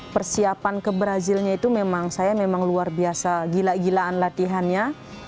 persiapan ke brazilnya itu memang saya memang luar biasa gila gilaan latihannya